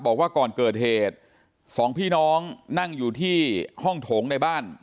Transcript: บอกว่าก่อนเกิดเหตุสองพี่น้องนั่งอยู่ที่ห้องโถงในบ้าน